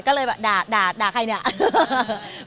ก็เลยแบบด่าด่าใครเนี่ย